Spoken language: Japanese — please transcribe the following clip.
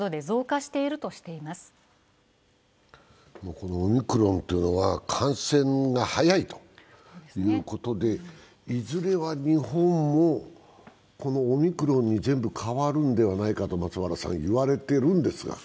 このオミクロンというのは感染が早いということでいずれは日本もオミクロンに全部変わるのではないかと言われていますが。